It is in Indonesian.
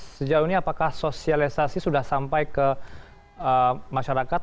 sejauh ini apakah sosialisasi sudah sampai ke masyarakat